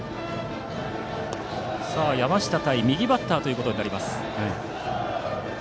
山下対右バッターとなります。